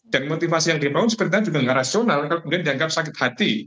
motivasi yang dibangun sepertinya juga nggak rasional kemudian dianggap sakit hati